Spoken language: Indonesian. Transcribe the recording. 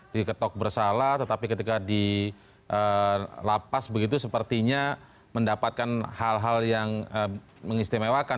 diketok bersalah tetapi ketika di lapas begitu sepertinya mendapatkan hal hal yang mengistimewakan